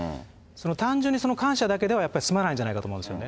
単純に感謝だけではやっぱり済まないんじゃないかと思うんですよね。